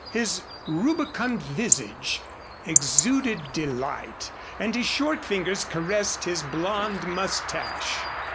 His rubicund visage exuded delight, and his short fingers caressed his blond mustache.